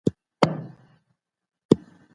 په مزل کي د چا کور نه لټول کېږي.